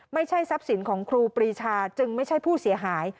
ไม่ใช่ทรัพย์สินของครูปรีชาจึงไม่ใช่ผู้เสียหาย